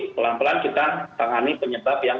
pelan pelan kita tangani penyebab yang